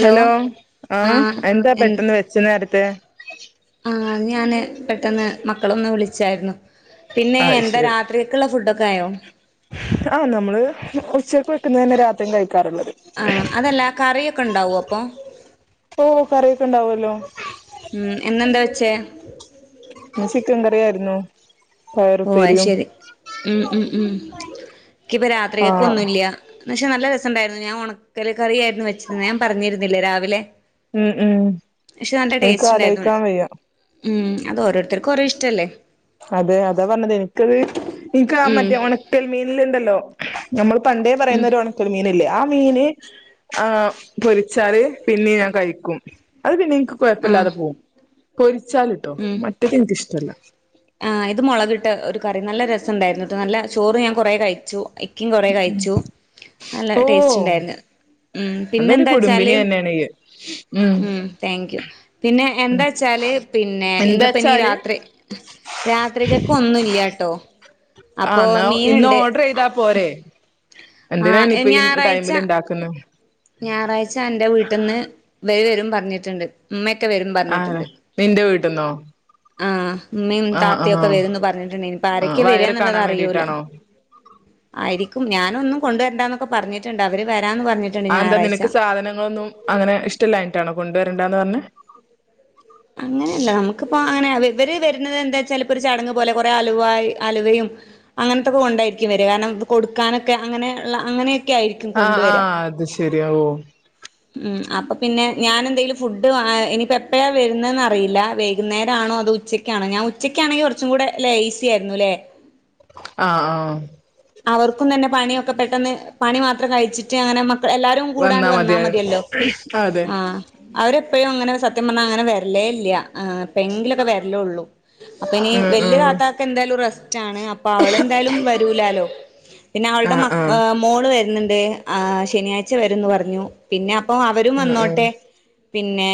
Hello ആഹ് ആഎന്താ എൻ പെട്ടെന്ന് വെച്ച് നേരത്തെ ആഹ് ഞാന് പെട്ടെന്ന് മക്കളൊന്ന് വിളിച്ചാരുന്നു പിന്നെ ആഹ് എന്താ ശരി രാത്രികക്ക് ഇള്ള ഫുഡൊക്കെ ആയോ ആഹ് നമ്മള് ഉച്ചയ്ക്ക് വെക്കുന്ന തന്നെ രാത്രിയും കഴിക്കാറുള്ളത് ആഹ് അതല്ല കറിയൊക്കെ ഇണ്ടാവോ അപ്പൊ ഓ കറിയൊക്കെ ഇണ്ടാവൊല്ലോ ഉം ഇന്ന് എന്താ വെച്ചേ ഇന്ന് ചിക്കൻ കറിയാരുന്നു ഓ അത് ശരി ഉം ഉം ഉം ഇക്കിപ്പോ രാത്രികെക്ക് ആഹ് ഒന്നുല്ല്യ പക്ഷെ നല്ല രസം ഇണ്ടായിരുന്നു ഞാൻ ഒണക്കല് കറിയാരുന്നു വെച്ചിരുന്നേ ഞാൻ പറഞ്ഞിരുന്നില്ലേ രാവിലെ ഉം ഉം പക്ഷെ നല്ല എനിക്ക് ടേസ്റ്റ് ഉണ്ടായിരുന്നു ആലോയിക്കാൻ വയ്യ ഉം അത് ഓരോരുത്തർക്കും ഓരോ ഇഷ്ടല്ലേ അതെ അതാ പറഞ്ഞത് എനിക്കത് ഇനിക്ക് ആ ഉം മറ്റേ ഒണക്കൽ മീനില്ണ്ടല്ലോ ഞമ്മള് പണ്ടേ ഉം പറയുന്ന ഒരു ഒണക്കൽ മീനില്ലേ ആ മീന് ആ പൊരിച്ചാല് പിന്നിം ഞാൻ കഴിക്കും അത് പിന്നെ ഇനിക്ക് ആഹ് കൊഴപ്പല്ലാതെ പോവും പൊരിച്ചാല്ട്ടോ ഉം മറ്റത് ഇനിക്കിഷ്ടല്ല ആഹ് ഇത് മുളകിട്ട ഒരു കറി നല്ല രസം ഇണ്ടായിരുന്നുട്ടോ നല്ല ചോറ് ഞാൻ കൊറെ കഴിച്ചു ഇക്കിം കൊറേ കഴിച്ചു നല്ല ഓ ടേസ്റ്റ് ഇണ്ടായിര്ന്ന് ഉം നല്ലൊരു കുടുംബിനി പിന്നെന്താച്ചാല് തന്നെയാണ് ഇയ്യ് ഉം താങ്ക് യു പിന്നെ ഉം എന്താ വെച്ചാല് പിന്നെ ഇന്ന്പ്പ ഇനി എന്താച്ചാല് രാത്രി രാത്രിക്കക്ക് ഒന്നും ഇല്യ ട്ടോ ആ ഇന്നാ ഇന്ന് ഓഡർ ചെയ്താ പോരെ എന്തിനാ ഇനി ആഹ് ഇപ്പ ഈ ഞായറാഴ്ച ടൈമില് ഇണ്ടാക്ക്ന്ന് ഞായറാഴ്ച അന്റെ വീട്ട്ന്ന് ഇബല് വരും പറഞ്ഞിട്ട്ണ്ട് ഉമ്മക്കെ വരും ആ പറഞ്ഞിട്ട്ണ്ട് നിന്റെ വീട്ടിന്നോ ആഹ് ഉമ്മയും ആ ആ താത്തയും ഒക്കെ വരുന്ന് പറഞ്ഞിട്ടുണ്ടായ്നു ഇപ്പ ആ ആരൊക്കെ വയറ് വരാന്നുള്ളത് കാണാൻ അറിയൂല വേണ്ടിട്ടാണോ ആയിരിക്കും ഞാന് ഒന്നും കൊണ്ടുവരണ്ടാന്നൊക്കെ പറഞ്ഞിട്ട്ണ്ട് അവര് വരാന്ന് പറഞ്ഞ് അതെന്താ നിനക്ക് സാധനങ്ങളൊന്നും അങ്ങനെ ഇഷ്ടല്ലാഞ്ഞിട്ടാണോ കൊണ്ടുവരണ്ടാന്ന് പറഞ്ഞ്? അങ്ങനെല്ല നമക്ക്പ്പോ അങ്ങനെ അവ ഇവര് വര്നത് എന്താച്ചാല് ഇപ്പൊരു ചടങ്ങ് പോലെ കൊറേ അലുവാ യ് അലുവയും അങ്ങനത്തെക്കെ കൊണ്ടായിരിക്കും വര കാരണം ഇത് കൊടുക്കാനൊക്കെ അങ്ങനെയുള്ള അങ്ങനെ- ആഹ് ആഹ് അത് ശരി ഓ ഉം അപ്പൊ പിന്നെ ഞാൻ എന്തെങ്കിലും ഫുഡ് ഇനിപ്പ എപ്പോഴാണ് വരുന്നെന്ന് അറിയില്ല വൈകുന്നേരം ആണോ അതോ- ഉച്ചക്കണോ ഞാൻ ഉച്ചയ്ക്കാണെങ്കിൽ കുറച്ചും കൂടെ ലെയ് ഈസി ആയിരുന്നു അല്ലേ ആഹ് ആഹ് അവർക്കും തന്നെ പണിയൊക്കെ പെട്ടെന്ന് പണി മാത്രം കഴിച്ചിട്ട് അങ്ങനെ- എല്ലാരും കൂടാണ്ട് വന്നാ മതിയല്ലോ അതെ ആഹ് അവരെപ്പോഴും അങ്ങനെ സത്യം പറഞ്ഞാൽ അങ്ങനെ വരലേ ഇല്ല ഇപ്പ എങ്കിലൊക്കെ വരലേള്ളൂ അപ്പ ഇനി ആ ആ വല്യ താത്താക്ക് എന്തായാലും റെസ്റ്റ് ആണ് അപ്പൊ അവള് എന്തായാലും വരൂലാലോ പിന്നെ ആ അവളുടെ മ ആ ആ മോള് വരുന്നുണ്ട് ശനിയാഴ്ച വരന്ന് പറഞ്ഞു പിന്നെ അപ്പൊ അവരും ആ വന്നോട്ടെ പിന്നെ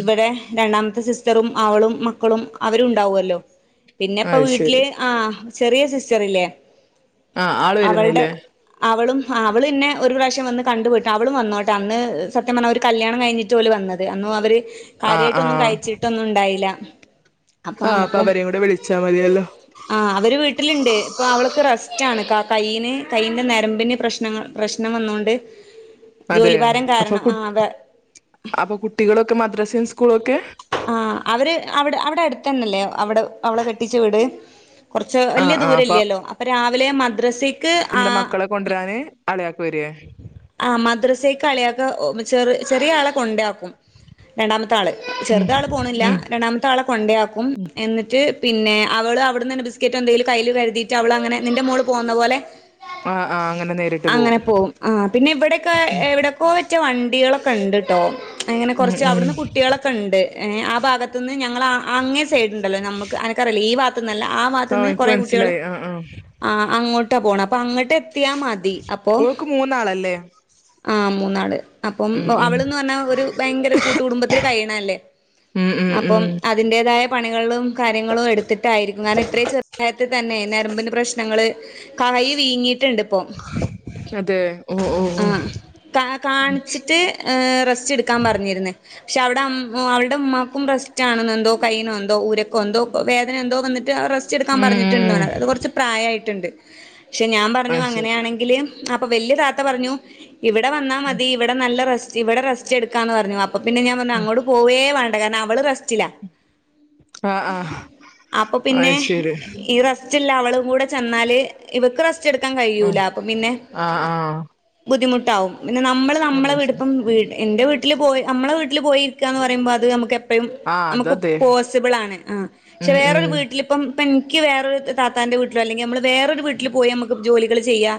ഇവിടെ- രണ്ടാമത്തെ സിസ്റ്ററും അവളും മക്കളും അവരുണ്ടാവുമല്ലോ പിന്നെപ്പ അത് വീട്ടില് ശരി ആഹ് ചെറിയ സിസ്റ്റർ ഇല്ലേ ആ ആള് അവൾടെ വരുന്നില്ലേ - അവളും അവള് പിന്നെ ഒരു പ്രാവശ്യം വന്ന് കണ്ടു പോയിട്ട് അവളും വന്നോട്ടെ അന്ന് സത്യം പറഞ്ഞാൽ ഒരു കല്യാണം കഴിഞ്ഞിട്ട്- ട്ട് ഓല് വന്നത് അന്നും അവര് ആ ആ കാര്യമായിട്ടൊന്നും കഴിച്ചിട്ടൊന്നും ഉണ്ടായില്ല ആഹ് അപ്പൊ അവരേ കൂടെ വിളിച്ചാൽ മതിയല്ലോ ആഹ് അവര് വീട്ടിലുണ്ട് ഇപ്പൊ അവളക്ക് റസ്റ്റ് ആണ് ആഹ് കൈയിന് കയ്യിൻന്റെ നരമ്പിന് പ്രശ്നങ്ങ പ്രശ്നം വന്നൊണ്ട് അതെ ജോലി ഭാരം അപ്പൊ കാരണം കു ആഹ് അതെ അപ്പൊ കുട്ടികളൊക്കെ മദ്രസൻ സ്കൂളൊക്കെ? ആഹ് അവര് അവിടെ അവിടെ അടുത്തന്നല്ലേ അവിടെ അവള കെട്ടിച്ച വീട് കുറച്ച് വലിയ ആഹ് ദൂരല്ല്യാല്ലോ അപ്പൊ രാവിലെ മദ്രസ- ഇന്ത മക്കളെ കൊണ്ടുവരാന് അളയാക്ക വരേ ആഹ് മദ്രസക്ക് അളിയാക്ക ചെറ ചെറിയ ആളെ കൊണ്ടാക്കും രണ്ടാമത്തെ ആള് ഉം ചെറുത ആള് പോണില്ല ഉം രണ്ടാമത്തെ ആളെ കൊണ്ടാക്കും എന്നിട്ട് പിന്നെ അവള് അവിടെന്ന് തന്നെ ബിസ്ക്കറ്റ് എന്തെങ്കിലും കയ്യില് കരുതിട്ട് ട്ട് അവള് അങ്ങനെ നിന്റെ മോള് പോകുന്ന പോലെ- ആഹ് ആഹ് അങ്ങനെ നേരി- അങ്ങനെ പോവും ആഹ് പിന്നെ ഇവിടെക്കെ എവിടെക്കെ വെച്ച വണ്ടികളൊക്കെ ഉണ്ട് കേട്ടോ അങ്ങനെ ഉം കുറച്ച് ഉം അവിടുന്ന് കുട്ടികളൊക്കെ ഉണ്ട് ആഹ് ഭാഗത്തുന്ന് ഞങ്ങള- അങ്ങേ സൈഡുണ്ടല്ലോ നമ്മുക്ക് അനക്കറില്ലേ ഈ ഭാത്തു നിന്നല്ല ആഹ് ഭാത്തു നിന്ന് എനിക്ക് കുറെ മനസ്സിലായി കുട്ടികള്- ആഹ് ആഹ് ആഹ് അങ്ങോട്ടാ പോണേ അപ്പൊ അങ്ങോട്ട് എത്തിയാൽ മതി ഓൾക്ക് മൂന്നാളല്ലേ? ആഹ് മൂന്നാള് അപ്പം ഉം ഉം അവളന്ന് പറഞ്ഞാ ഒരു ഭയങ്കര കൂട്ടു കുടുംബത്തിൽ കഴിയണല്ലേ ഉം ഉം അപ്പം ഉം അതിന്റെതായ പണികളും കാര്യങ്ങളും എടുത്തിട്ടായിരിക്കും കാരണം ഇത്രയും ചെറുപ്രായത്തി തന്നെ നരമ്പിന് പ്രശ്നങ്ങള് കൈ വീങ്ങിയിട്ടുണ്ട് ഇപ്പോ അതെ ഓ ഓ ഓ ആഹ് കാ കാണിച്ചിട്ട് റെസ്റ്റ് എടുക്കാൻ പറഞ്ഞിരുന്നേ പക്ഷെ അവിടെ അവൾടെ ഉമ്മാക്കും റെസ്റ്റ് ആണുന്നു എന്തോ കൈയിന എന്തോ ഊരക്ക എന്തോ വേദന എന്തോ വന്നിട്ട് റെസ്റ്റ് റെസ്റ്റ്ടുക്കാൻ ഉം പറഞ്ഞിട്ടുണ്ടന്ന് ഉം പറേ അത് കുറച്ച് പ്രായമായിട്ടുണ്ട് പക്ഷെ ഞാൻ പറഞ്ഞു അത് ശരി അങ്ങനെയാണെങ്കില് അപ്പൊ വല്യ താത്ത പറഞ്ഞു ഇവിടെ വന്നാ ഉം മതി ഇവിടെ നല്ല റെസ്റ്റ് ഇവിടെ റെസ്റ്റ് എടുക്കാന്ന് പറഞ്ഞു അ പ്പോ പിന്നെ ഞാൻ പറഞ്ഞു ഉം അങ്ങോട്ട് പോവേ വേണ്ട കാരണം അവൾ റസ്റ്റ്‌ - റ്റില ആഹ് ആഹ് അപ്പൊ പിന്നെ അത് ശരി ഈ- റസ്റ്റ്ല്ല അവളും കൂടെ ചെന്നാല് ഇവക്ക് റസ്റ്റ് എടുക്കാൻ ഉം കഴിയൂല അപ്പൊ പിന്നെ- ആഹ് ആഹ് ബുദ്ധിമുട്ടാവും പിന്നെ നമ്മള് ആഹ് നമ്മളെ അത് ശരി വീടിപ്പം എന്റെ വീട്ട- വീട്ടല് പോയി നമ്മള വീട്ടില് പോയിരിക്കന്ന് പറയുമ്പോ അത് നമു യും ആഹ് നമുക്ക് അതതെ പോസിബിളാണ് ആഹ് പക്ഷെ ഉം വേറൊരു ഉം വീട്ടിൽ ഇപ്പം ഇൻക്ക് വേറൊരു താത്താന്റെ വീട്ടിലോ അല്ലെങ്കി നമ്മള് വേറൊരു വീട്ടില് പോയി നമുക്ക് ജോലികൾ ചെയ്യാ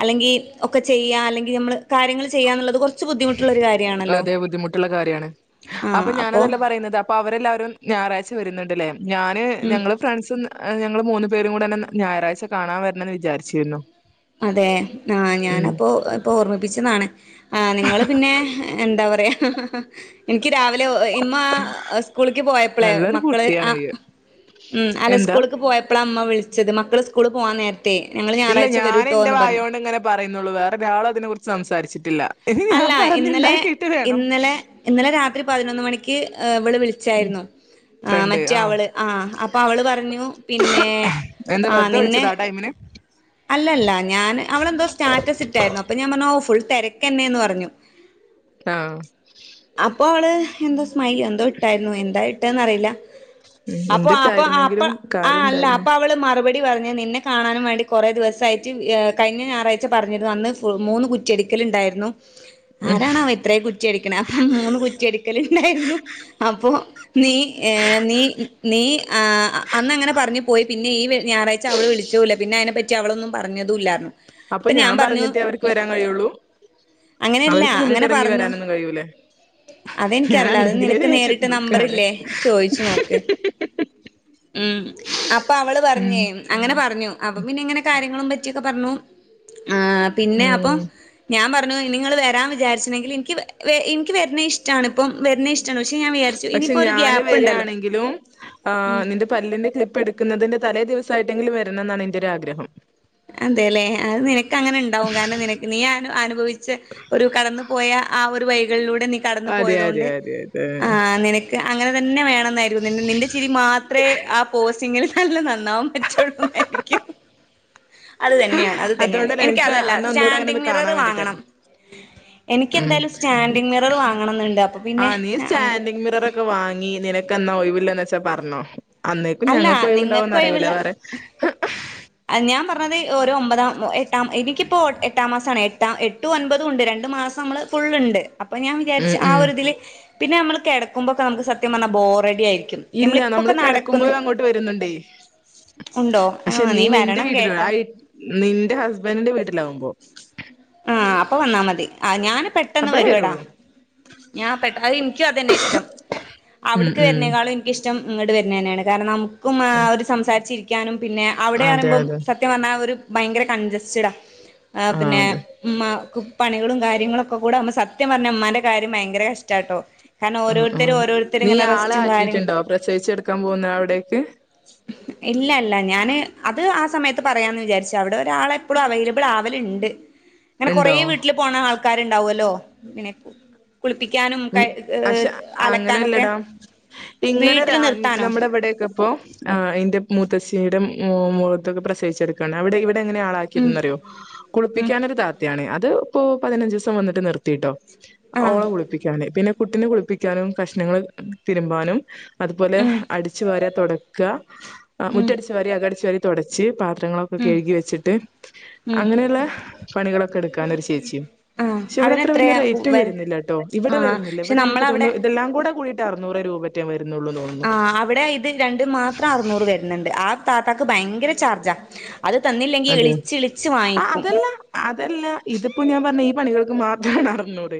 അല്ലെങ്കി ഒക്കെ ചെയ്യാ അല്ലെങ്കി നമ്മള് കാര്യങ്ങള് ചെയ്യാ എന്നുള്ളത് കൊർ അതെ ബുദ്ധിമുട്ടുള്ള കാര്യാണ് അപ്പൊ ഞാനതല്ല പറയുന്നത് പ്പഅവരെല്ലാവരും ഞായറാഴ്ച വരുന്നുണ്ട്ല്ലേ ഞാന് ഉം ഞങ്ങള് ഫ്രണ്ട്സും ഞങ്ങള് മൂന്ന് പേരും കൂടെന്നെ ഞായറാഴ്ച കാണാൻ വരണന്ന് വിചാരിച്ചിരുന്നു അതേ ആഹ് ഉം ഞാനപ്പോ ഇപ്പൊ ഓർമ്മിപ്പിച്ചെതാണ് ആഹ് നിങ്ങള് പിന്നെ എന്താ പറയാ എനിക്ക് രാവിലെ ഇമ്മാ ആ സ്കൂളിലക്ക് പോയപ്പോളെ നല്ലൊരു മക്കള് കുട്ടിയാണ് ആഹ് ഇയ്യ്. ഉം അല്ല എന്താ? സ്കൂള്ക്ക് പോയപ്പളാ ഇമ്മ വിളിച്ചത് മക്കള് സ്കൂള്പോവാൻ നേരത്തേ ഞങ്ങള് ഇല്ല ഞായറാഴ്ച വരു ഞാന് ന്റെ വായോണ്ട് ഇങ്ങനെ പറയുന്നൊള്ളൂ വേറൊ ഒരാളയിന കുറിച്ച് സംസാരിച്ചിട്ടില്ല എനി അല്ല ഞാൻ ഇന്നലെ പറഞ്ഞുണ്ടാക്കിട്ട് വേണം ഇന്നലെ ഇന്നലെ രാത്രി പതിനൊന്ന് മണിക്ക് ഏഹ് ഇവള് ഉം വിളിച്ചായിരുന്നു ആഹ് മറ്റേ അവള് ആഹ് അപ്പൊ അവള് പറഞ്ഞു പിന്നെ ആ നിന്നെ എങ്ങനെ അല്ലല്ല ഞാൻ അവളെന്തോ സ്റ്റാറ്റസ് ഇട്ടായിരുന്നു അപ്പൊ ഞാൻ പറഞ്ഞു ഓ ഫുൾ തെരക്കെന്നേന്ന് പറഞ്ഞു ആഹ് അപ്പൊ അവള് എന്തോ സ്മൈലി എന്തോ ഇട്ടായിരുന്നു എന്താ ഇട്ട്ന്നറിയില്ല അപ്പൊ അപ്പൊ അപ്പൊ എന്തിട്ടായിരുന്നെങ്കിലും കാര്യം ആഹ് അല്ല എന്തായിരുന്നു? അപ്പൊ അവള് മറുപടി പറഞ്ഞ് നിന്നെ കാണാനും വേണ്ടി കുറേ ദിവസായിട്ട് കഴിഞ്ഞ ഞായറാഴ്ച പറഞ്ഞിരുന്നു അന്ന് ഫു മൂന്ന് കുറ്റി അടിക്കല്ണ്ടായിരുന്നു ഉം ആരാണാവോ ഇത്രയും കുറ്റി അടിക്ക്ണ് അപ്പൊ മൂന്ന് കുറ്റി അടിക്കലുണ്ടായിരുന്നു അപ്പൊ നീ ഏ നീ നീ ആ അന്നങ്ങനെ പറഞ്ഞു പോയി പിന്നെ ഈ ഞായറാഴ്ച അവള് വിളിച്ചൂല്ല പിന്ന അയിനപ്പറ്റി അവളൊന്നും പറഞ്ഞതുല്ലാർഞ്ഞു അപ്പൊ ഞാൻ പറഞ്ഞിട്ടേ അവർക്ക് വരാൻ കഴിയുള്ളൂ അങ്ങനെയല്ല അവർക്ക് മുന്നിട്ട് അങ്ങനെ ഇറങ്ങി പറഞ്ഞു വരാനൊന്നും കഴിയൂലെ ഞൻ അതെനിക്കറിയില്ല അത് അല്ലെങ്കിലേ നിനക്ക് നേരിട്ട് ദേഷ്യത്തില് നിക്കാണ് നമ്പറില്ലേ മ് അപ്പൊ അവള് ഉം പർഞ്ഞേ അങ്ങനെ പറഞ്ഞു അപ്പ പിന്നെ ഇങ്ങനെ കാര്യങ്ങളും പറ്റിയൊക്കെ പർഞ്ഞു ആ പിന്നെ അപ്പം ഉം ഞാൻ പറഞ്ഞു ഇനിങ്ങള് വരാൻ വിചാരിച്ചിനെങ്കില് ഇൻക്കി വ വര് ഇൻക്കി വര്ന്നത് ഇഷ്ടമാണ് ഇപ്പം വരുന്ന ഇഷ്ടം പക്ഷേ ഞാന് വരാണെങ്കിലും ആ നിന്റെ പല്ലിന്റെ ക്ലിപ്പ് എടുക്കുന്നതിന്റെ തലേ ദിവസായിട്ടെങ്കിലും വരണം എന്നാണ് എന്റെ ഒരാഗ്രഹം അതേല്ലേ അത് നിനക്ക് അങ്ങനെ ഉണ്ടാവും കാരണം നിന നീ അനു അനുഭവിച്ച ഒരു കടന്നു പോയ ആ ഒരു വഴികളിലൂടെ നീ കടന്നു അതെ പോയത് അതെ കൊണ്ട് അതെ അതെ ആഹ് നിനക്ക് ക്ക് അങ്ങനെ തന്നെ വേണന്നായിരുന്നു നി നിന്റെ ചിരി മാത്രേ ആ പോസിറ്റിങ്ങില് നല്ല നന്നാവും പറ്റുള്ളൂ എനിക്കും അത് തന്നെയാണ് അത് തന്നെയാണ് അതുകൊണ്ടല്ലേ എനിക്ക് അതല്ല അന്നെ ഒന്നുകൂടെ അങ്ങനെ ഒന്ന് സ്റ്റാൻഡിങ് കാണാൻ മിററ് വാങ്ങണം വേണ്ടിട്ടായിരുന്നു ഉം എനിക്കെന്തായാലും സ്റ്റാൻഡിങ് മിറർ വാങ്ങണന്നുണ്ട് അപ്പൊ പിന്നെ മിററ് വാങ്ങി നിനക്കെന്നാ ഒഴിവില്ലേന്ന് വെച്ചാ പറഞ്ഞോ അന്നേക്കും അല്ല ഞങ്ങൾക്ക് നിങ്ങൾക്ക് ഒഴിവുണ്ടാകോന്നറിയൂല്ല ഒഴിവുള്ള വേറെ ഞാൻ പർഞ്ഞത് ഒരു ഒമ്പതാം എട്ടാം എനിക്കിപ്പോൾ എട്ടാം മാസമാണ് എട്ടാം എട്ട് ഒൻപതും ഉണ്ട് രണ്ട് മാസം നമ്മള് ഫുള്ള്ണ്ട് അപ്പൊ ഞാൻ വിചാരിച്ച് ഉം ആ ഉം ഒരുതില് പിന്നെ നമ്മള് കിടക്കുമ്പോഴൊക്കെ നമുക്ക് സത്യം പറഞ്ഞാ ബോറടിയായിരിക്കും ഇല്ല നമ്മള് കെടക്കുമ്പോഴും അങ്ങോട്ട് വരുന്നുണ്ടേ ഉണ്ടോ ആ [unintelligible] നീ നിന്റെ വരണം വീട്ടില കേട്ടോ [unintelligible] നിന്റെ ഹസ്ബന്റിന്റെ വീട്ടിലാവുമ്പോ ആഹ് അപ്പൊ വന്നാ മതി ആ ഞാൻ പെ അപ്പളേ വരുള്ളൂ ഞാൻ പെട്ടത് അത് ഇൻക്കും അത് തന്നെ ഇഷ്ടം ഉം അവട്ക്ക് ഉം വര്ന്നേക്കാളും എനിക്കിഷ്ടം ഇങ്ങട് വരുന്നന്നെയാണ് കാരണം നമുക്കും ഉം. അവര് സംസാരിച്ചിരിക്കാനും പിന്നെ അതെ അവിടേറിയുമ്പം അതെ സത്യം സത്യം പറഞ്ഞാൽ അത് ഒരു ഭയങ്കര കൺജസ്റ്റഡാ ആഹ് ആ പിന്നെ അതെ ഉമ്മാക്ക് പണികളും കാര്യങ്ങളൊക്കെ കൂടെകുമ്പോഴേക്കും സത്യം പറഞ്ഞ ഉമ്മാന്റെ കാര്യം ഭയങ്കര കഷ്ടാട്ടോ കാരണം ഉം ഉം ഓരോരുത്തരും ഓരോരുത്തരും നീ ഇങ്ങനെ ആളെ റെസ്റ്റും കാര്യം ആക്കിയിട്ടുണ്ടോ പ്രസവിച്ച് കെട്ക്കാൻ പോകുന്ന അവിടേക്ക് ഉ ഇല്ല ഇല്ല ഞാന് അത് ആ സമയത്ത് പറയാമന്ന് വിചാരിച് അവടെ ഒരാളെപ്പളും അവൈലബിൾ ആവല്ണ്ട് ഇങ്ങനെ കൊറെ ഉണ്ടോ വീട്ടില് പോണ ആൾക്കാര്ണ്ടാവോല്ലോ ഇനെ ഒ പക്ഷെ അലക്കാനൊക്കെ അങ്ങനല്ലെടാ ഇങ്ങനെ വീട്ടിൽ രാ നിർത്താനോ നമ്മുടെ ഇവടെക്കെ അപ്പോ ആ അയിന്റെ മൂത്തച്ചിയുടെ മൂ മൂത്തത് പ്രസവിച്ചട്ക്കാണ് അവടെ ഇവടെ അങ്ങനെ ആളാ ഉം ന്നറിയോ ഉം കുൾപ്പിക്കാനൊരു താത്താണ് അത് ഇപ്പോ പതിനഞ്ച് ദിവസം വന്ന്ട്ട് നിർത്തിട്ടോ ആഹ് ഓള കുളിപ്പിക്കാന് പിന്നെ കുട്ടിനെ കുളിപ്പിക്കാനും കഷ്ണങ്ങള് തിരുമ്പാനും അതുപോലെ ഉം അടിച്ചു വാര തൊടക്ക ഉം മുറ്റട്ച്ച് വാര അകട്ച്ച് വാരി തൊടച്ച് പാത്രങ്ങളൊ ഉം കഴുകി വെച്ചിട്ട് ഉം അങ്ങനെയുള്ള പണികളൊക്കെ എടുക്കാനരു ചേച്ചിയും ആഹ് പക്ഷ ഇവടെ അത്ര വല്ല്യ അതിനെത്രയാ റൈറ്റും വരു വരുന്നില്ല ട്ടോ ഇവടെ ആഹ് വരുന്നില്ല പക്ഷെ ഇവടെ ഇൻക്ക് നമ്മളവിടെ തോന്നു എല്ലാം കൂടെ കൂടിട്ട് അർന്നൂറ് രൂപറ്റേ വരുന്നൊള്ളൂ തൊ ആ അവടെ ഇത് രണ്ടും മാത്രം അർന്നൂറ് വര്ന്ണ്ട് ആ താത്താക്ക് ഭയങ്കര ചാർജാ അത് തന്നില്ലെങ്കി അതെ ഇളിച് ഇളിച്ച് ആ വാങ്ങിക്കും അതല്ല അതല്ല ഇതിപ്പോ ഞാൻ പറഞ്ഞ ഈ പണികൾക്ക് മാത്രാണ് അറ്ന്നൂറ്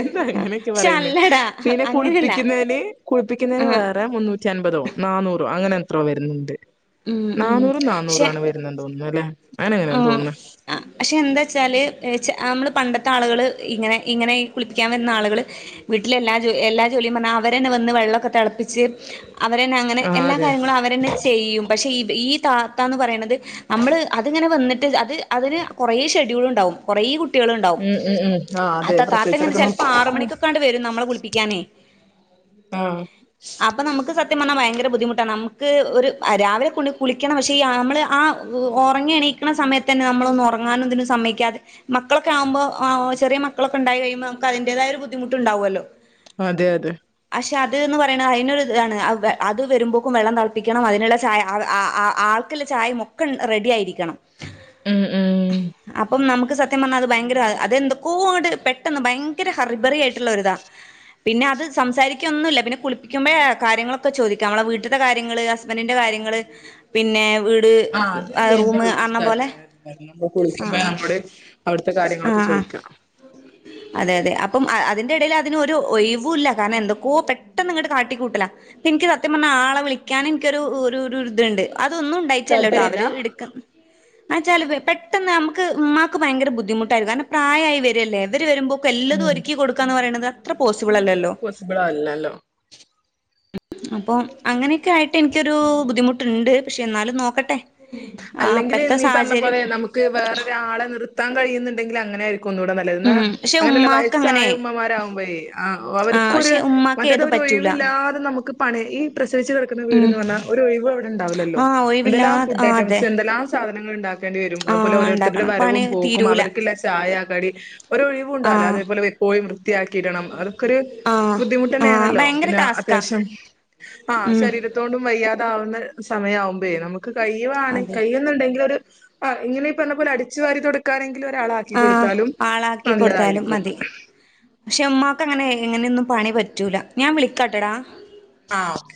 എന്താ അങ്ങനെയൊക്കെ പക്ഷെ പറയുന്നെ അല്ലടാ പിന്നെ അങ്ങനെയല്ല കുളിപ്പിക്കുന്നെന് കുളിപ്പിക്കുന്നെന് ആ വേറെ മുന്നൂ റ്റി അൻപതോ നാന്നൂറോ അങ്ങനെ എത്രോ വര്ന്ന്ണ്ട് ഉം ഉം നാന്നൂറും നാന്നൂറ പക്ഷെ ആണ് വര് തോന്നുന്നു അല്ലെ അങ്ങനെയാ തോന്ന്ന്ന് ആ പക്ഷെ എന്താ വെച്ചാല് ച അമ്മള് പണ്ടത്തെ ആളുകള് ഇങ്ങനെ ഇങ്ങനെ കുളിപ്പിക്കാൻ വര്ന്ന ആളുകള് വീട്ടില എല്ലാ ജോ എല്ലാ ജോലിയും പർഞ്ഞാ അവരന്നെ വന്ന് വെള്ളോക്കെ തെൾപ്പിച്ച് അവരന്നെ അങ്ങനെ ആ എല്ലാ അതെ കാര്യങ്ങളും അവരന്നെ ചെയ്യും പക്ഷേ ഇത് ഈ താത്താന്ന് പറയ്ണത് നമ്മള് അത്ങ്ങനെ വന്നിട്ട് അത് അതിന് കൊറേ ഷെഡ്യൂള് ഇണ്ടാവും കൊറെ കുട്ടിയള് ഇണ്ടാവും ഉം ഉം ഉം ആ അതെ അത താത്തെ ഇങ്ങനെ പ്രസവിച്ചെടുക്കണം ചെൽപ്പോ ആറ് മണിക്കൊക്കാണ്ട് വരും നമ്മളെ കുൾപ്പിക്കാനേ ആഹ് അപ്പ നമ്മക്ക് സത്യം പർഞ്ഞാ ഭയങ്കര ബുദ്ധിമുട്ടാണ് നമ്മക്ക് ഒരു രാവിലെ കുളിക്കണം പക്ഷെ ഈ അമ്മള് ആ ഒറങ്ങി എണീക്ക്ണ സമയത്തന്നെ നമ്മളൊന്നു ഒറങ്ങാനും ഇതിനും സമ്മയ്ക്കാതെ മക്കളൊക്കാ ആവുമ്പോ ചെറിയ മക്കളക്കെ ഇണ്ടായി കഴിയുമ്പോ നമുക്ക് അതിന്റേതായ ഒരു ബുദ്ധിമുട്ട് ണ്ടാവോല്ലോ അതെ അതെ പക്ഷെ അത് ന്ന് പറയ്ണ അയിനൊര് ഇതാണ് അത് വരുമ്പോക്കും വെള്ളം തൾപ്പിക്കണം അതിന്ള്ള ചായ ആ ആ ആൾ ക്ക്ള്ള ചായ മൊക്കൻ റെഡി ആയിരിക്കണം ഉം ഉം അപ്പം നമുക്ക് സ സത്യം പർഞ്ഞാ അത് ഭയങ്കര അതെന്തൊക്കോ ആണ്ട് പെട്ടെന്ന് ഭയങ്കര ഹറിബറി ആയിട്ടുള്ളര്താ പിന്നെ അത് സംസാരിക്കൊന്നുല്ല പിന്നെ കുളിപ്പിക്കുമ്പയാ കാര്യങ്ങളൊക്കെ ചോദിക്കാ നമ്മളെ വീട്ട്ത്തെ കാര്യങ്ങള് ഹസ് ഹസ്ബന്റിന്റെ കാര്യങ്ങള് പിന്നെ വീട് റൂമ് പറഞ്ഞ പോലെ [unintelligible] കുളിക്കുമ്പയാ ആഹ് നമ്മടെ അവിട്ത്തെ കാര്യങ്ങളൊക്കെ ആഹ് ആഹ് ചോയിക്കാ അതെ അതെ അപ്പം അ അതിന്റെ ഇടയില് അതിനൊരു ഒഴിവു ഇല്ല കാരണം എന്തൊക്കോ പെട്ടെന്ന് ഇങ്ങട്ട് കാട്ടിക്കൂട്ടല ഇൻക്ക് സത്യം പർഞ്ഞ ആളെ വിളിക്കാന് ഇൻക്കൊരു ഒരു ഒരു ഇത്ണ്ട് അതൊന്നും ണ്ടായിറ്റ അല്ല ട്ടോ താല്പര്യല്ല അവര് ഇട്ക്ക് അ ച്ചാല് പെട്ടെന്ന് നമ്മക്ക് ഇമ്മാക്ക് ഭയങ്കര ബുദ്ധിമുട്ടായിരുന്നു കാരണം പ്രായായി വരല്ലേ ഇവര് വരുമ്പോക്ക് എല്ലതും ഉം ഒരുക്കി കൊടുക്ക ന്ന് പറയ്ണത് അത്ര പോസിബിള് അല്ലല്ലോ സ്ബ്ള് അല്ലല്ലോ അപ്പോം അങ്ങനെക്കെ ആയിട്ട് ഇൻക്കൊരു ബുദ്ധിമുട്ട്ണ്ട് പക്ഷെ ന്നാലും നോക്കട്ടെ ആഹ് അല്ലെങ്കില് അപ്പത്തെ നീ പർഞ്ഞ സാഹചര്യം പോലെ നമുക്ക് വേറൊരാളെ നിർത്താൻ കഴിയുന്നുണ്ടെങ്കില് അങ്ങനെ ആയിരിക്കും ഒന്നുടെ ന ല്ല ന്നാ ഉം പക്ഷെ അങ്ങനെല്ല ഉമ്മാക്ക് അങ്ങനെ വയസ്സായ ഉമ്മമാരാവുമ്പോയെ ആ ആഹ് അവര്ക്കൊര് പക്ഷെ ഉമ്മാക്ക് മറ്റത് ഏതും അവര് പറ്റൂല ഒഴിവില്ലാതെ നമുക്ക് പണി ഈ പ്രസവിച്ച് കിടക്കുന്ന ഉം വീട്ന്ന് പർഞ്ഞാ ഒരു ഒഴിവ് ഇണ്ടാവില ല്ലോ ആഹ് എന്തെല്ലാം ഒഴിവില്ലാതെ ഫുഡ് ആഹ് ഐറ്റംസ് അതെ എന്തെല്ലാം സാധനങ്ങൾ ഇണ്ടാ ണ്ടി വരും അതുപോലെ ആഹ് ഓരോര്ത്തര്ടെ ഇണ്ടാക്കണം പണി വരവും പോക്കും തീരൂല അവര്ക്ക്ള്ള ചായ കടി ഒരു ഒഴി വുണ്ടാവൂല ആഹ് അതേപോലെ എപ്പോഴും വൃത്തിയാക്കിടണം അതൊക്കെര് ആഹ് ആഹ് ബുദ്ധിമുട്ടന്നെണല്ലോ ഭയങ്കര പിന്നെ ടാസ്കാ അത്യാവശ്യം ആ ഉം ശരീര ത്തൊണ്ടും വയ്യാതാവുന്ന സമയാവുമ്പയെ നമുക്ക് കഴിയുവാണ അതെ ന്നുണ്ടെങ്കില് ഒരു ആ ഇങ്ങനെ ഇ പർഞ്ഞ പോലെ അടിച്ചുവാരി തൊടക്കാനെങ്കിലു ഒരാള ക്കി ആഹ് കൊടുത്താലും ആളാക്കി കൊടുത്താലും നല്ലതായിരിക്കും മതി പക്ഷെ ഇമ്മാക്ക് അങ്ങനെ എങ്ങനെന്നും പണി പറ്റൂല ഞാൻ വിളിക്കാട്ടൊടാ ആ ഓകെ